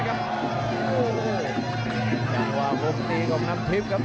โอ้แต่แล้วมองตีกองน้ำทิพย์ครับ